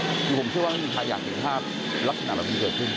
โอ้โหคือผมเชื่อว่าไม่มีขายากถึงถ้ารักษณะแบบนี้เกิดขึ้น